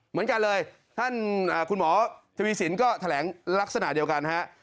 เหมือนกันเลยท่านคุณหมอทวีสินก็แถลงลักษณะเดียวกันฮะ